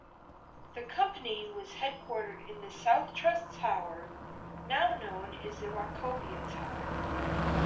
The Company was headquartered in the SouthTrust Tower, now known as the Wachovia Tower.